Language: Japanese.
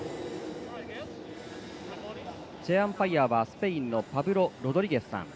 チェアアンパイアはスペインのパブロ・ロドリゲスさん。